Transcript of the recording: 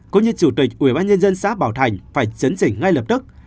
cũng như chủ tịch ubnd xã bảo thành phải chấn chỉnh ngay lập tức